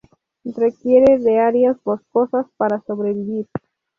Requiere de áreas boscosas para sobrevivir.